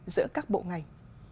giữa các bộ ngành